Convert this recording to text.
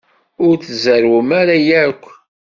Ur tzerrwem ara akk?